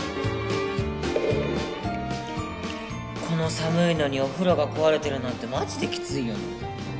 この寒いのにお風呂が壊れてるなんてマジできついよね。